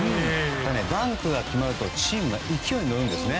ダンクが決まるとチームが勢いに乗るんですね。